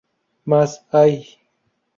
Mas, ¡ay!